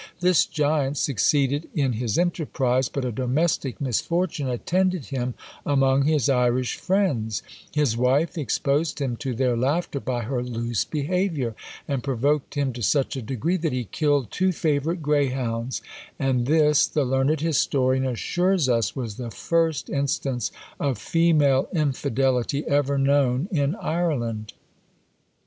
This giant succeeded in his enterprise, but a domestic misfortune attended him among his Irish friends: his wife exposed him to their laughter by her loose behaviour, and provoked him to such a degree that he killed two favourite greyhounds; and this the learned historian assures us was the first instance of female infidelity ever known in Ireland!